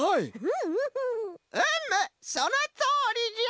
・うむそのとおりじゃ！